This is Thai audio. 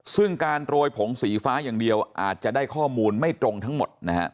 ซึ่งการโรยผงสีฟ้าอย่างเดียวอาจจะได้ข้อมูลไม่ตรงทั้งหมดนะฮะ